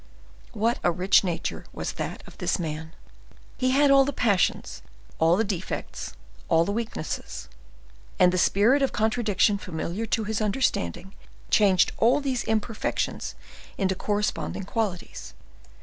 What a rich nature was that of this man! He had all the passions, all the defects, all the weaknesses, and the spirit of contradiction familiar to his understanding changed all these imperfections into corresponding qualities.